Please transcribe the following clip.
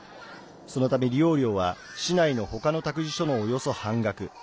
そのため利用料は市内の他の託児所の、およそ半額。